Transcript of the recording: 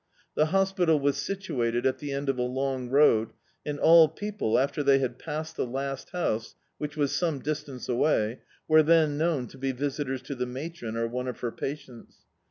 The hospital was situated at the end of a long road, and all peo ple, after they had passed the last house, which was some distance away, were then known to be visitors to the matron or one of her patients.